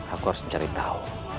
aku harus mencari tahu